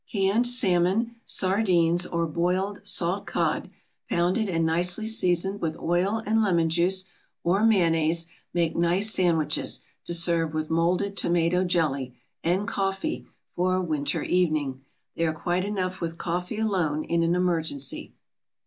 CANNED SALMON, SARDINES, or BOILED SALT COD, pounded and nicely seasoned with oil and lemon juice, or mayonnaise, make nice sandwiches to serve with molded tomato jelly, and coffee, for a "winter evening." They are quite enough with coffee alone in an emergency.